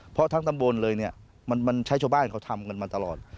เพราะทั้งตำบลเลยเนี่ยมันใช้ชาวบ้านเขาทำกันมาตลอด